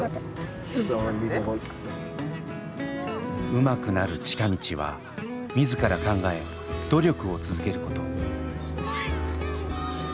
うまくなる近道は自ら考え努力を続けること。